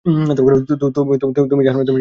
তুমি জান এজন্যে কে দায়ী?